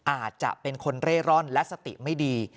อาจจะเป็นคนเร่ร่อนและสติไม่ดี